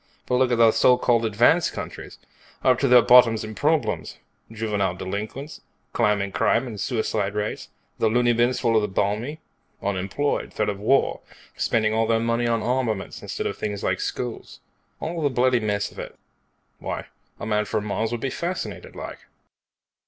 But look at the so called advanced countries. Up to their bottoms in problems. Juvenile delinquents, climbing crime and suicide rates, the loony bins full of the balmy, unemployed, threat of war, spending all their money on armaments instead of things like schools. All the bloody mess of it. Why, a man from Mars would be fascinated, like."